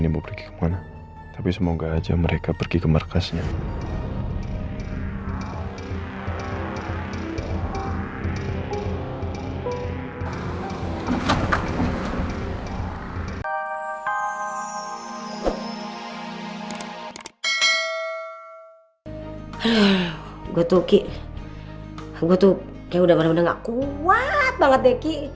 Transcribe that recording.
gue tuh kayak udah malem udah gak kuat banget deh ki